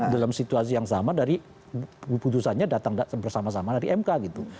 dalam situasi yang sama dari keputusannya datang bersama sama dari mk gitu